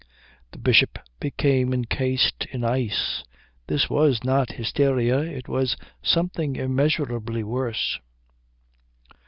The Bishop became encased in ice. This was not hysteria, it was something immeasurably worse.